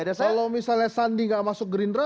kalau misalnya sandi nggak masuk gerindra